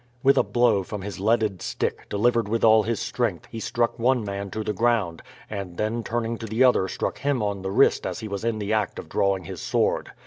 With a blow from his leaded stick, delivered with all his strength, he struck one man to the ground, and then turning to the other struck him on the wrist as he was in the act of drawing his sword.